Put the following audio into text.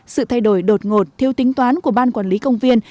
sự thay đổi đột ngột thiêu tính toán của ban quản lý công viên